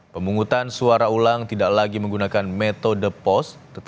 pemungutan suara ulang tidak lagi menggunakan metode pos